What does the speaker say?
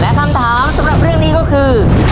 และคำถามสำหรับเรื่องนี้ก็คือ